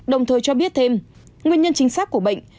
đồng thời cho biết thêm nguyên nhân chính xác của bệnh